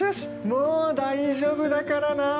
もう大丈夫だからなー。